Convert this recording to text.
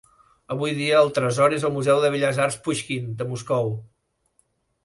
Avui dia, el tresor és al Museu de Belles Arts Puixkin de Moscou.